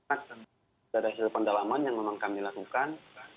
ada hasil pendalaman yang memang kami lakukan